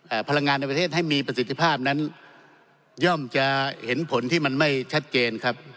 พลังงานในประเทศให้มีประสิทธิภาพนั้นย่อมจะเห็นผลที่มันไม่ชัดเจนครับ